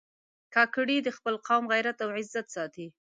کاکړي د خپل قوم غیرت او عزت ساتي.